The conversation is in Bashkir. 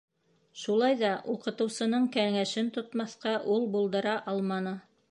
Шулай ҙа уҡытыусының кәңәшен тотмаҫҡа ул булдыра алманы.